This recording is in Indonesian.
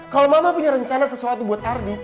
kalau mama punya rencana sesuatu buat ardi